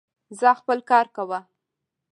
ځاا خپل کار کوه